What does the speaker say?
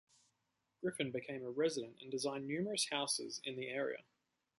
Griffin became a resident and designed numerous houses in the area.